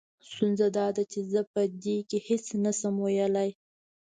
ستونزه دا ده چې زه په دې کې هېڅ نه شم ويلې.